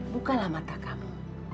bukalah mata kamu